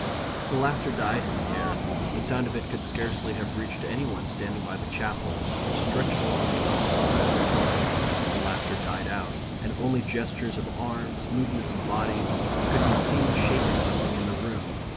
The laughter died in the air. The sound of it could scarcely have reached any one standing by the Chapel, which stretched along the opposite side of the court. The laughter died out, and only gestures of arms, movements of bodies, could be seen shaping something in the room.